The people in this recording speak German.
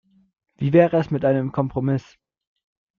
Wie wäre es mit einem Kompromiss?